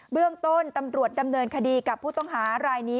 เรื่องต้นตำรวจดำเนินคดีกับผู้ต้องหารายนี้